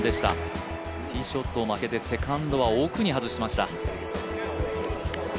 ティーショットを曲げてセカンドは奥に外しました。